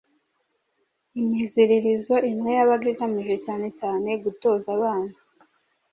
Imiziririzo imwe yabaga igamije cyanecyane gutoza abana